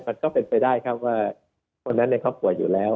มันก็เป็นไปได้ครับว่าคนนั้นเนี่ยเขาป่วยอยู่แล้ว